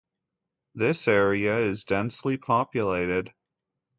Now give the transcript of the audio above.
This area is densely populated.